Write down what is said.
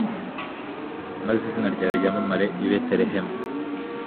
maze izina ryawe ryamamare i betelehemu